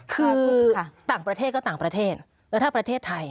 คือต่างประเทศก็ต่างประเทศแล้วถ้าประเทศไทย